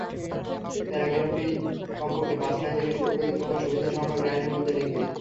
প্যারাগ্রাফটি কমপক্ষে পাঁচ লাইন থেকে শুরু করে তোমার সুবিধাসংখ্যক লাইনের মধ্যে লিখবে।